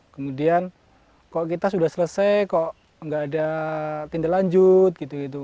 kemudian kok kita sudah selesai kok nggak ada tindak lanjut gitu gitu